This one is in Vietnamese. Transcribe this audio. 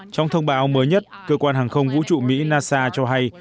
trong thông báo mới nhất cơ quan hàng không vũ trụ mỹ nasa cho hay